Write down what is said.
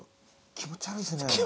気持ち悪いですね。